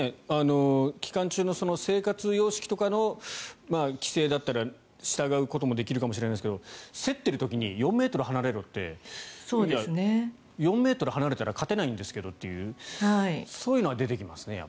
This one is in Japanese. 期間中の生活様式とかの規制だったら従うこともできるかもしれないけど競っている時に４ｍ離れろっていや、４ｍ離れたら勝てないんですけどというそういうのは出てきますね。